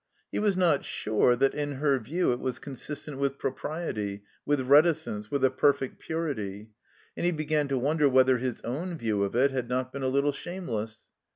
He was not sure that in her view it was consistent with propriety, with reticence, with a perfect piuity. And he be gan to wonder whether his own view of it had not been a little shameless.